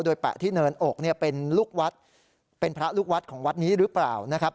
โดยแปะที่เนินอกเนี่ยเป็นลูกวัดเป็นพระลูกวัดของวัดนี้หรือเปล่านะครับ